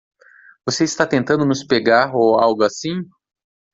Você está tentando nos pegar ou algo assim?